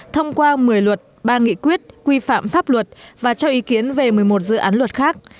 thông qua một mươi luật ba nghị quyết quy phạm pháp luật và cho ý kiến về một mươi một dự án luật khác